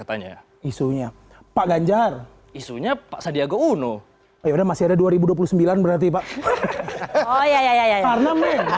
tanya isunya pak ganjar isunya pak sadarko uno y guess pandang masih ada dua ribu sembilan belas berarti pak oh iya